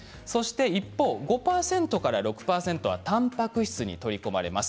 一方、５％から６％はたんぱく質に取り込まれます。